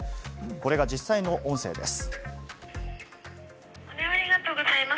これが実際の音声です。